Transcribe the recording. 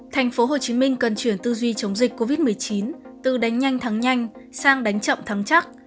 thành phố hồ chí minh cần chuyển tư duy chống dịch covid một mươi chín từ đánh nhanh thắng nhanh sang đánh chậm thắng chắc